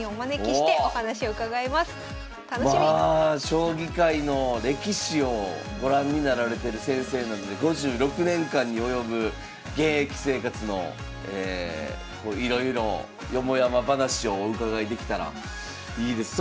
将棋界の歴史をご覧になられてる先生なので５６年間に及ぶ現役生活のいろいろをよもやま話をお伺いできたらいいです。